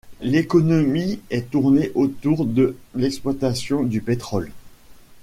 L'économie est tournée autour de l'exploitation du pétrole.